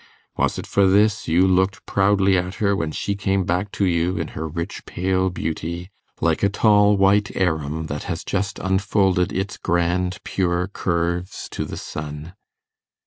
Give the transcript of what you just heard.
Was it for this you looked proudly at her when she came back to you in her rich pale beauty, like a tall white arum that has just unfolded its grand pure curves to the sun?